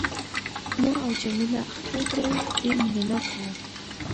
ما او جميله ښکل کړل، ډېر مینه ناک وو.